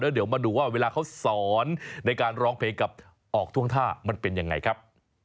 เดี๋ยวมาดูว่าเวลาเขาสอนในการร้องเพลงกับออกท่วงท่ามันเป็นยังไงครับ